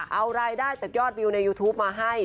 เอารายได้จากยอดวิวในยูทูปมาให้